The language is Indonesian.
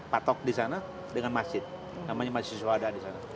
patok di sana dengan masjid namanya masjid suada di sana